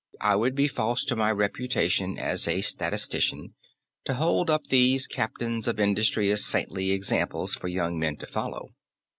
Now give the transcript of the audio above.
I would be false to my reputation as a statistician to hold up these captains of industry as saintly examples for young men to follow.